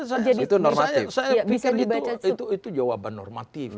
saya pikir itu jawaban normatif